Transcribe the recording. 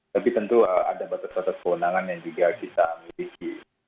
tapi tentu ada batas batas kewenangan yang juga kita miliki